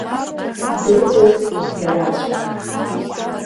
Дыҟоуп иараӡәк.